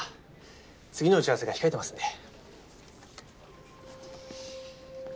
次の打ち合わせが控えてますんで。